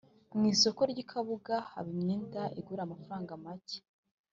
Mu isoko ry’ikabuga haba imyenda igura amafaranga macye